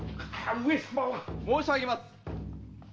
申し上げます！